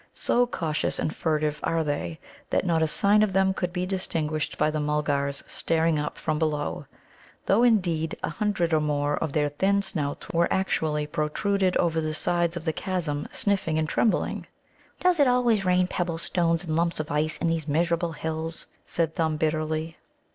So cautious and furtive are they that not a sign of them could be distinguished by the Mulgars staring up from below, though, indeed, a hundred or more of their thin snouts were actually protruded over the sides of the chasm, sniffing and trembling. "Does it always rain pebble stones and lumps of ice in these miserable hills?" said Thumb bitterly.